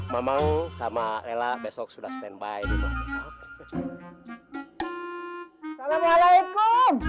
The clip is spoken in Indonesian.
mamang sama leila besok sudah standby di mahkusa aku